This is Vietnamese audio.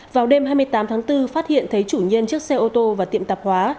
vào đêm hai mươi tám tháng bốn phát hiện thấy chủ nhân chiếc xe ô tô và tiệm tạp hóa